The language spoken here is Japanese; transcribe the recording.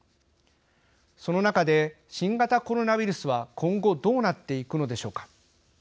その中で新型コロナウイルスは今後どうなっていくのでしょうか。